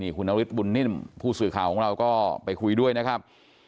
คุณนฤทธบุญนิ่มผู้สื่อข่าวของเราก็ไปคุยด้วยนะครับ